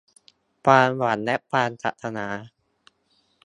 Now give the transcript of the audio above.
ความหวังและความปรารถนา